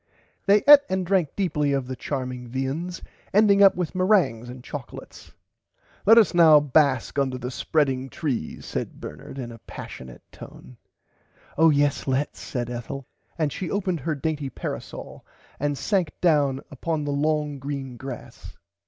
They eat and drank deeply of the charming viands ending up with merangs and choclates. Let us now bask under the spreading trees said Bernard in a passiunate tone. Oh yes lets said Ethel and she opened her [Pg 91] dainty parasole and sank down upon the long green grass.